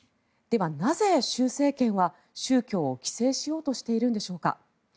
では、なぜ習政権は宗教を規制しようとしているんでしょうか。